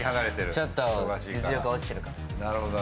ちょっと実力は落ちてるかも。